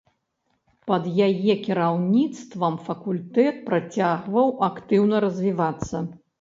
Пад яе кіраўніцтвам факультэт працягваў актыўна развівацца.